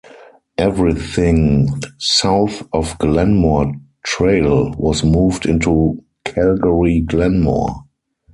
Everything south of Glenmore Trail was moved into Calgary-Glenmore.